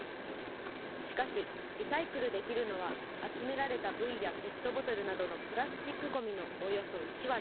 しかし、リサイクルできるのは、集められたブイやペットボトルなどのプラスチックごみのおよそ１割。